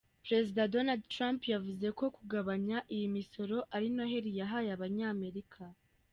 Perezida Donald Trump yavuze ko kugabanya iyi misoro ari noheli yahaye Abanyamerika.